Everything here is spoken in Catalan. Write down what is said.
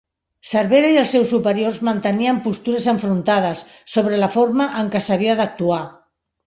Cervera i els seus superiors mantenien postures enfrontades sobre la forma en què s'havia d'actuar.